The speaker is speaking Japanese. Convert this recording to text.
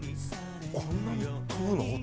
こんなに飛ぶの？